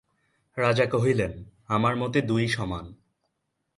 রাজা কহিলেন, আমার মতে দুই সমান।